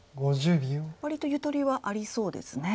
割とゆとりはありそうですね。